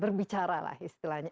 berbicara lah istilahnya